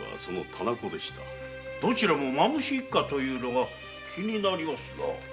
どちらも蝮一家というのが気になりますな。